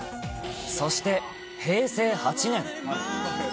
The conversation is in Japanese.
そして、平成８年。